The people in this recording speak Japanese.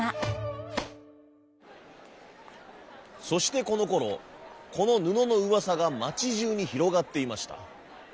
そしてこのころこのぬののうわさがまちじゅうにひろがっていました。